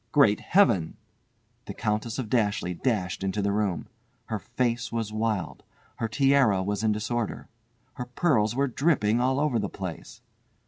"Great Heaven!" The Countess of Dashleigh dashed into the room. Her face was wild. Her tiara was in disorder. Her pearls were dripping all over the place.